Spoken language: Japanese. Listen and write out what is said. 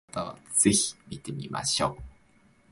気になる方は是非見てみましょう